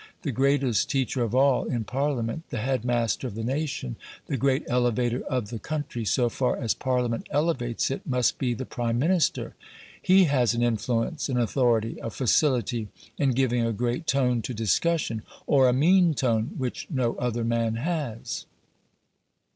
The greatest teacher of all in Parliament, the head master of the nation, the great elevator of the country so far as Parliament elevates it must be the Prime Minister: he has an influence, an authority, a facility in giving a great tone to discussion, or a mean tone, which no other man has.